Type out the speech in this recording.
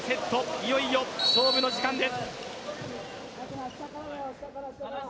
いよいよ勝負の時間です。